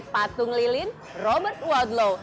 patung lilin robert wadlow